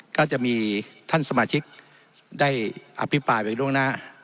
ก็จะมีท่านสมาชิกได้อภิบายแบบดูแลน่า